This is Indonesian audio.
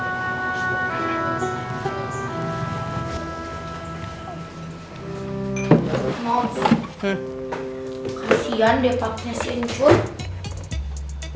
kasian deh paknya si incun